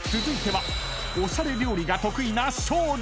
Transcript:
［続いてはおしゃれ料理が得意な］